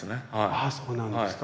ああそうなんですか。